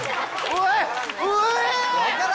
おい！